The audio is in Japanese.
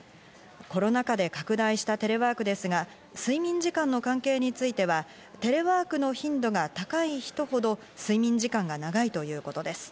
コロナ禍で拡大したテレワークですが、睡眠時間の関係についてはテレワークの頻度が高い人ほど睡眠時間が長いということです。